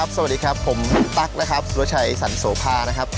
สวัสดีครับผมตั๊กสุรชัยสรรโศภานะครับ